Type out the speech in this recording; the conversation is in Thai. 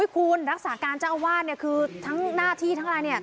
คุณรักษาการเจ้าอาวาสทั้งหน้าที่ทั้งอะไร